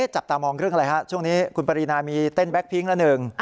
จับตามองเรื่องอะไรฮะช่วงนี้คุณปรีนามีเต้นแก๊พิ้งละหนึ่ง